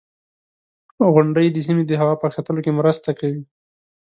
• غونډۍ د سیمې د هوا پاک ساتلو کې مرسته کوي.